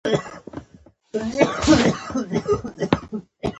که ګاونډي ته ضرورت وي، ته لومړی لاس ورکړه